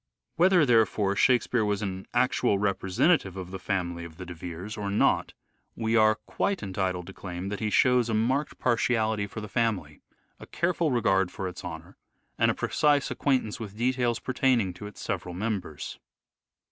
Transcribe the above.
Whether, therefore, Shakespeare was an actual representative of the family of the De Veres or ANCESTRY OF EDWARD DE VERE 227 not, we are quite entitled to claim that he shows a marked partiality for the family, a careful regard for its honour, and a precise acquaintance with details pertaining to its several members.